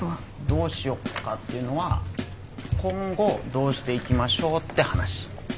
どうしようかっていうのは今後どうしていきましょうって話。